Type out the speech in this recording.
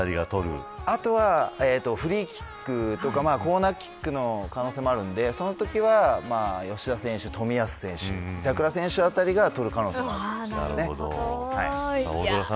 あとは、フリーキックとかコーナーキックの可能性もあるので、そのときは吉田選手、冨安選手板倉選手あたりが取るかもしれません。